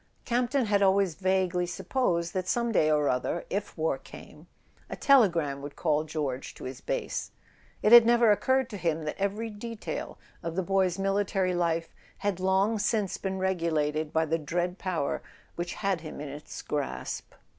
Campton had always vaguely supposed that, some day or other, if war came, a telegram would call George to his base; it had never occurred to him that every detail of the boy's military life had long since been regulated by the dread power which had him in its grasp.